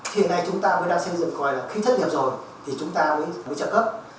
hiện nay chúng ta mới đang xây dựng coi là khi thất nghiệp rồi thì chúng ta mới trợ cấp